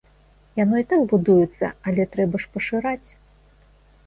Яно і так будуецца, але трэба ж пашыраць.